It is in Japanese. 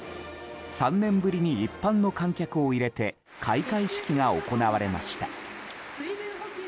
３年ぶりに一般の観客を入れて開会式が行われました。